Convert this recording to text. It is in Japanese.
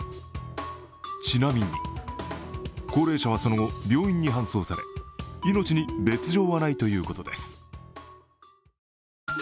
ちなみに、高齢者はその後病院に搬送され命に別状はないということです。